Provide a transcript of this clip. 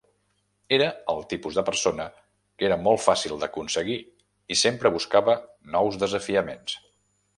Era el tipus de persona que era molt fàcil d'aconseguir i sempre buscava nous desafiaments.